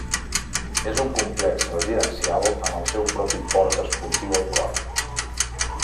És un complex residencial amb el seu propi port esportiu al cor.